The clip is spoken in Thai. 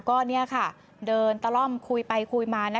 ก็เดินตลอดคุยไปคุยมา